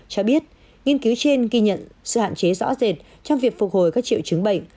cho biết nghiên cứu trên ghi nhận sự hạn chế rõ rệt trong việc phục hồi các triệu chứng bệnh